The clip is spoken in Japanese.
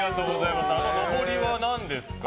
あののぼりは何ですか？